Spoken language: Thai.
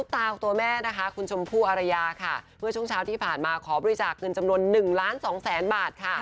ตัวแม่คุณชมพู่อารยาเมื่อช่วงเช้าที่ผ่านมาขอบริจาคเงินจำนวน๑ล้าน๒แสนบาท